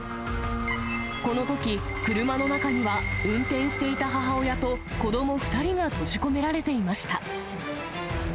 このとき、車の中には運転していた母親と子ども２人が閉じ込められていました。